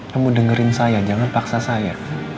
kamu dengerin saya jangan paksa saya